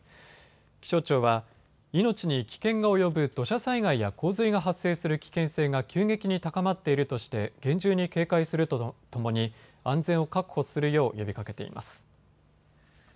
気象庁は命に危険が及ぶ土砂災害や洪水が発生する危険性が急激に高まっているとして厳重に警戒するとともに安全を確保するよう呼びかけています。